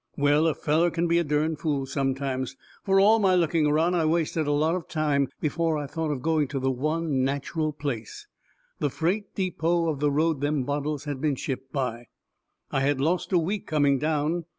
Well, a feller can be a derned fool sometimes. Fur all my looking around I wasted a lot of time before I thought of going to the one natcheral place the freight depot of the road them bottles had been shipped by. I had lost a week coming down.